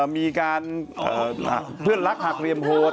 มีการเผื่อนลักหากรีมโภท